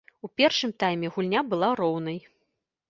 У першым тайме гульня была роўнай.